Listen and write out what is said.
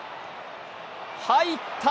入った！